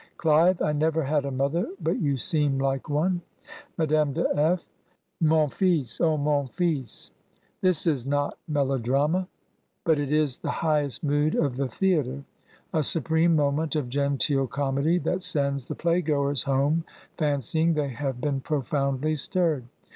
"Clive. 'I never had a mother, but you seem like one,' "Madame de F. 'Mon fils! Oh, mon fils!'" This is not melodrama; but it is the highest mood of the theatre, a supreme moment of genteel comedy that sends the play goers home fancying they have been profoundly stirred.